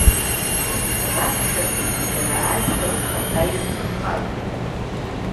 Раԥхьаӡагьы дара ажәлар рхаҭа ирԥырхагоуп.